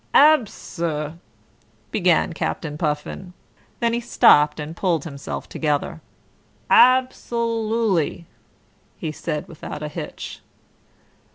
"Abso " began Captain Puffin. Then he stopped and pulled himself together. "Absolooly," he said without a hitch.